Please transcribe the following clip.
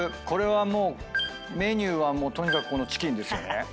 これはもうメニューはとにかくこのチキンですよね。